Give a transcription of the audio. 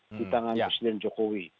di tangan presiden jokowi